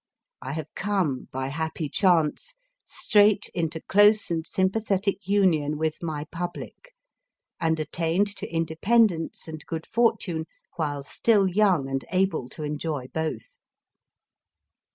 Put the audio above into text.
I have come, by happy chance, straight into close and sympathetic union with my public, and attained to independence and good fortune while still young and able to enjoy both.